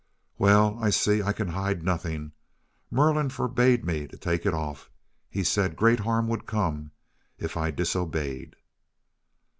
"Well, I see I can hide nothing. Merlin forbade me to take it off. He said great harm would come if I disobeyed."